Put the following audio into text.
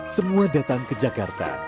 semua datang ke jakarta